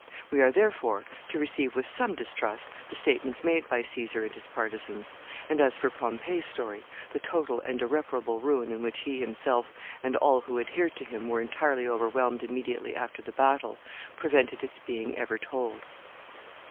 We are therefore to receive with some distrust the statements made by Caesar and his partisans; and as for Pompey's story, the total and irreparable ruin in which he himself and all who adhered to him were entirely overwhelmed immediately after the battle, prevented its being ever told.